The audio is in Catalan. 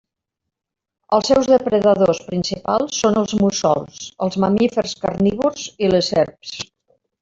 Els seus depredadors principals són els mussols, els mamífers carnívors i les serps.